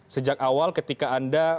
sejak awal ketika anda